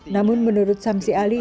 namun menurut samsi ali